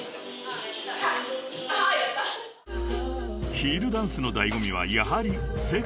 ［ヒールダンスの醍醐味はやはり］